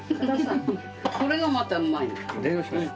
それがまたうまいんだ。